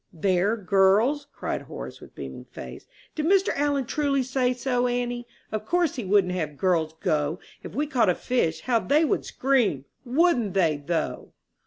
"There, girls," cried Horace, with beaming face. "Did Mr. Allen truly say so, auntie? Of course he wouldn't have girls go. If we caught a fish, how they would scream; wouldn't they, though?"